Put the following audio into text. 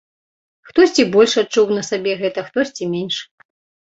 Хтосьці больш адчуў на сабе гэта, хтосьці менш.